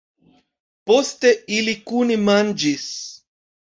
Poste, ili kune manĝis.